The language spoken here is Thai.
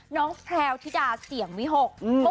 นี้นี้เลยค่ะ